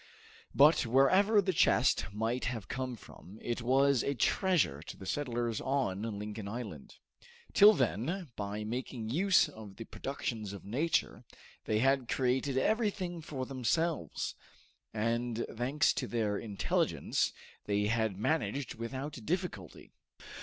But, wherever the chest might have come from, it was a treasure to the settlers on Lincoln Island. Till then, by making use of the productions of nature, they had created everything for themselves, and, thanks to their intelligence, they had managed without difficulty.